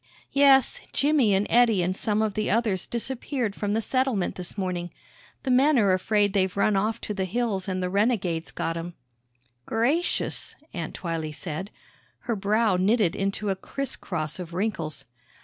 "Yes Jimmy an' Eddie an' some of the others disappeared from the settlement this morning. The men're afraid they've run off to th' hills an' the renegades got 'em." "Gracious," Aunt Twylee said; her brow knitted into a criss cross of wrinkles.